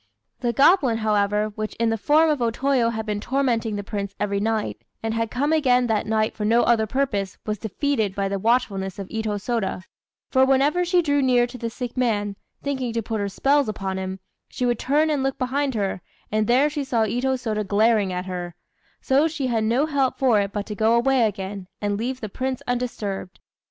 The goblin, however, which in the form of O Toyo had been tormenting the Prince every night, and had come again that night for no other purpose, was defeated by the watchfulness of Itô Sôda; for whenever she drew near to the sick man, thinking to put her spells upon him, she would turn and look behind her, and there she saw Itô Sôda glaring at her; so she had no help for it but to go away again, and leave the Prince undisturbed.